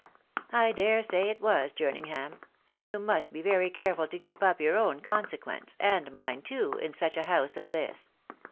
" I dare say it was, Jerningham, .... and you must be very careful to keep up your own consequence, and mine too, in such a house as this.